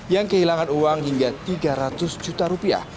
yang kehilangan uang hingga tiga ratus juta rupiah